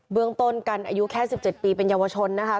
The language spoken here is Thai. เมืองต้นกันอายุแค่๑๗ปีเป็นเยาวชนนะคะ